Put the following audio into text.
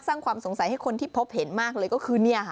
สร้างความสงสัยให้คนที่พบเห็นมากเลยก็คือเนี่ยค่ะ